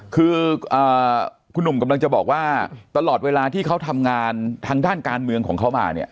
คือคุณหนุ่มกำลังจะบอกว่าตลอดเวลาที่เขาทำงานทางด้านการเมืองของเขามาเนี่ย